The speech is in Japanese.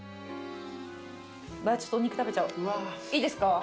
お肉食べちゃおういいですか？